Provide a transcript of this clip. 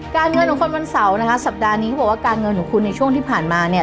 เงินของคนวันเสาร์นะคะสัปดาห์นี้เขาบอกว่าการเงินของคุณในช่วงที่ผ่านมาเนี่ย